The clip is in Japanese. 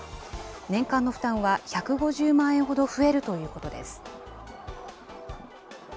年間の負担は１５０万円ほど増えるということです。